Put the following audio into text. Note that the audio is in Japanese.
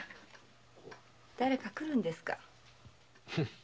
だれか来るんですか？